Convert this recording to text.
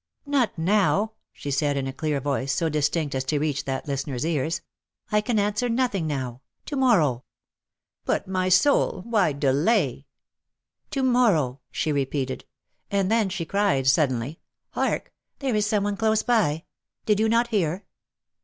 " Not now,"*^ she said, in a clear voice, so distinct as to reach that listener's cars. " I can answer nothing now. To morrow." " But, my soul, why delav ?'"' 230 " LOVE BORE SUCH BITTER " To morrow/^ she repeated ; and then she cried suddenly,, ^' hark ! there is some one close by. Did you not hear